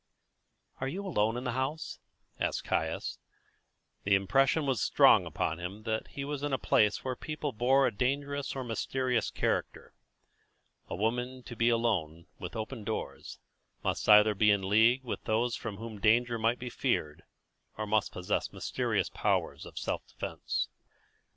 "Are you alone in the house?" asked Caius. The impression was strong upon him that he was in a place where the people bore a dangerous or mysterious character. A woman to be alone, with open doors, must either be in league with those from whom danger might be feared, or must possess mysterious powers of self defence.